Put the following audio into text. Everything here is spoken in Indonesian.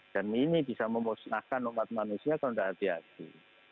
dan ini bisa memusnahkan umat manusia kalau tidak hati hati